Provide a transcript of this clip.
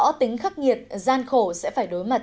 rõ tính khắc nghiệt gian khổ sẽ phải đối mặt